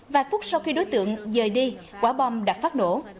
vài phút sau khi đối tượng dời đi quả bom đã phát nổ